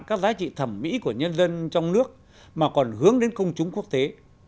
các giá trị thẩm mỹ của nhân dân trong nước mà còn hướng đến công chúng quốc tế